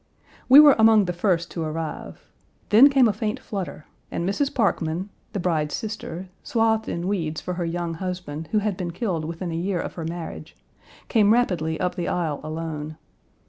We were among the first to arrive. Then came a faint flutter and Mrs. Parkman (the bride's sister, swathed in weeds for her young husband, who had been killed within a year of her marriage) came rapidly up the aisle alone.